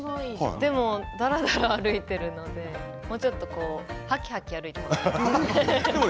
でも、だらだら歩いているのでもうちょっとはきはき歩いたほうがいいですね。